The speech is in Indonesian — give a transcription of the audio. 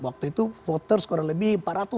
waktu itu voter sekurang lebih empat ratus